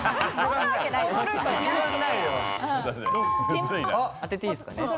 ピンポン当てていいですかね。